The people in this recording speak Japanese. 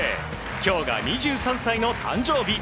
今日が２３歳の誕生日。